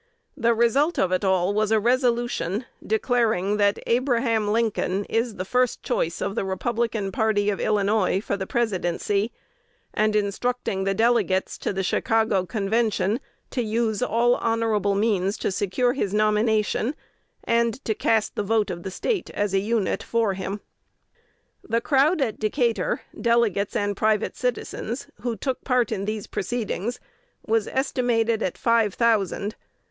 The result of it all was a resolution declaring that "Abraham Lincoln _is the first choice of the Republican party of Illinois for the Presidency, and instructing the delegates to the Chicago Convention to use all honorable means to secure his nomination, and to cast the vote of the State as a unit for him_." The crowd at Decatur, delegates and private citizens, who took part in these proceedings, was estimated at five thousand.